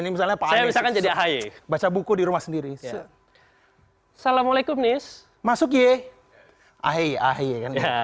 misalnya pak bisa jadi baca buku di rumah sendiri selesai assalamualaikum nis masuk ye ahe ahe